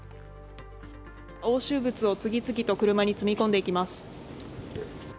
押収物を次々と車に積み込んでいきます。